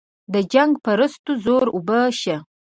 د جنګ پرستو زور اوبه شه.